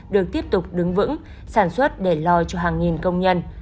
được tiếp tục đứng vững sản xuất để lo cho hàng nghìn công nhân